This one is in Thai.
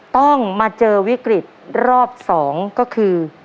ต้องมาเจอวิกฤตรอบ๒ก็คือ